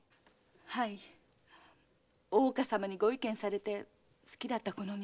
はい大岡様にご意見されて好きだったこの道に。